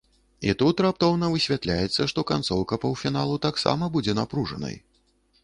І тут раптоўна высвятляецца, што канцоўка паўфіналу таксама будзе напружанай.